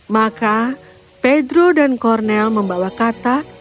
maka pedro dan kornel membawa kata